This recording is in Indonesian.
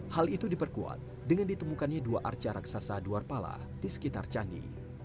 hal itu diperkuat dengan ditemukannya dua arca raksasa duarpala di sekitar candi